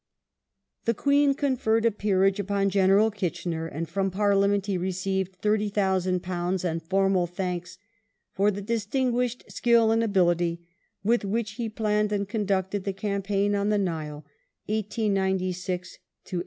The Queen conferred a peerage upon General Kitchener, and from Parliament he received £30,000 and formal thanks "for the distinguished skill and ability with which he planned and conducted the campaign on the Nile of 1896 1898 '*.